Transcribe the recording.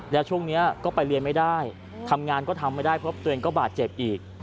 แล้วช่วงนี้ก็ไปเรียนไม่ได้ทำงานก็ทำไม่ได้เพราะตัวเองก็บาดเจ็บอีก